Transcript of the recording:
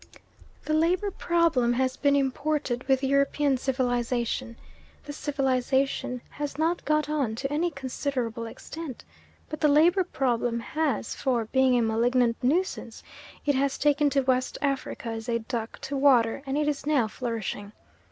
The labour problem has been imported with European civilisation. The civilisation has not got on to any considerable extent, but the labour problem has; for, being a malignant nuisance, it has taken to West Africa as a duck to water, and it is now flourishing.